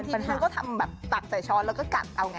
แต่บางทีนายก็ทำแบบตัดใส่ช้อนแล้วก็กัดเอาไง